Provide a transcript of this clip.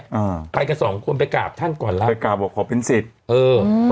เออไปกับสองคนไปกราบท่านก่อนละไปกราบว่าขอเป็นสิทธิ์เออ